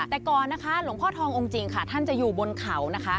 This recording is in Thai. แต่ก่อนนะคะหลวงพ่อทององค์จริงค่ะท่านจะอยู่บนเขานะคะ